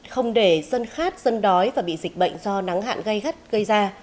không để dân khát dân đói và bị dịch bệnh do nắng hạn gây ra